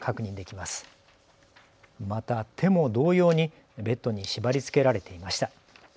また手も同様にベッドに縛りつけられていました。